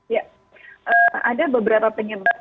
ya ada beberapa penyebab